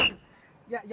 gimana sih tadi semua